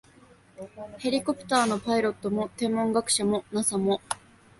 ヘリコプターのパイロットも、天文学者も、ＮＡＳＡ も、